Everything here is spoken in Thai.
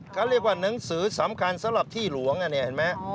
เขาเรียกว่าหนังสือสำคัญสำหรับที่หลวงอันนี้เห็นไหม